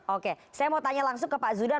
oke saya mau tanya langsung ke pak zudan